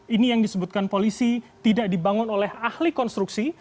ini yang disebutkan polisi tidak dibangun oleh ahli konstruksi